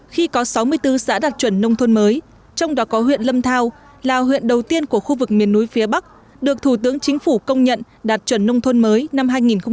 khi có sáu mươi bốn xã đạt chuẩn nông thôn mới trong đó có huyện lâm thao là huyện đầu tiên của khu vực miền núi phía bắc được thủ tướng chính phủ công nhận đạt chuẩn nông thôn mới năm hai nghìn một mươi